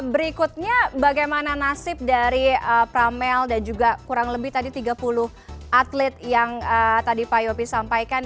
berikutnya bagaimana nasib dari pramel dan juga kurang lebih tadi tiga puluh atlet yang tadi pak yopi sampaikan